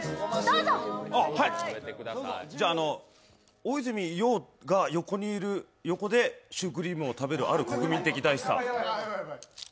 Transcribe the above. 大泉洋が横にいるシュークリームを食べるある国民的大スター。